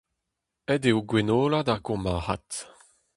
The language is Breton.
Aet eo Gwenola d'ar gourmarc'had.